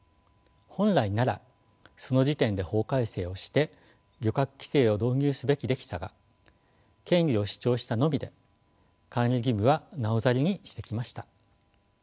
本来ならその時点で法改正をして漁獲規制を導入すべきでしたが権利を主張したのみで管理義務はなおざりにしてきました。